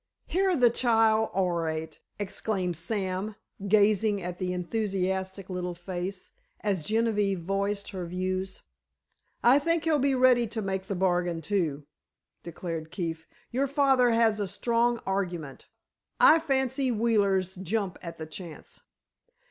"Hear the child orate!" exclaimed Sam, gazing at the enthusiastic little face, as Genevieve voiced her views. "I think he'll be ready to make the bargain, too," declared Keefe. "Your father has a strong argument. I fancy Wheeler's jump at the chance."